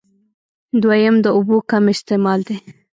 دويم د اوبو کم استعمال دی